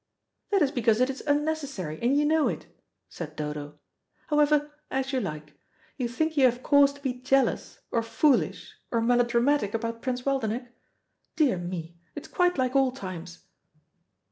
"That is because it is unnecessary, and you know it," said Dodo. "However, as you like. You think you have cause to be jealous or foolish or melodramatic about Prince Waldenech. Dear me, it is quite like old times."